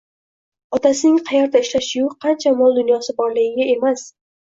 otasining qayerda ishlashiyu qancha mol-dunyosi borligiga emas